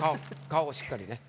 顔顔しっかりね。